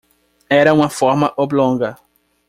Era uma forma oblonga.